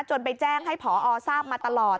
ไปแจ้งให้ผอทราบมาตลอด